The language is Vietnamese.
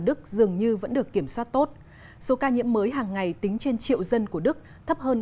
đức dường như vẫn được kiểm soát tốt số ca nhiễm mới hàng ngày tính trên triệu dân của đức thấp hơn